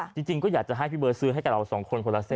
จริงก็อยากจะให้พี่เบิร์ซื้อให้กับเราสองคนคนละเส้น